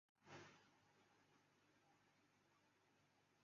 地下车站设有高天花及夹层连接月台。